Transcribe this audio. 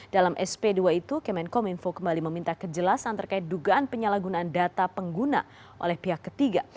dalam sp dua itu kemenkominfo kembali meminta kejelasan terkait dugaan penyalahgunaan data pengguna oleh pihak ketiga